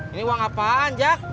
ini uang apaan jack